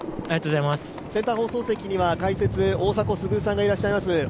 センター放送席には解説・大迫傑さんがいらっしゃいます。